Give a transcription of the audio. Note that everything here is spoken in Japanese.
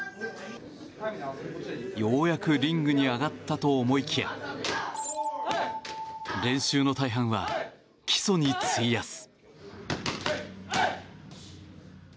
ようやくリングに上がったと思いきや練習の大半は基礎に費やす。